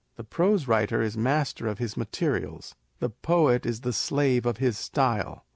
The prose writer is master of his materials : the poet is the slave of his style.